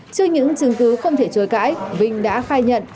trước những chứng cứ không thể chối cãi vinh đã khai nhận